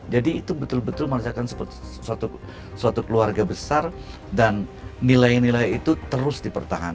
jadi itu betul betul merasakan suatu keluarga besar dan nilai nilai itu terus dipertahankan